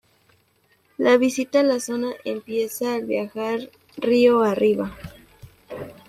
La visita a la zona empieza al viajar río arriba.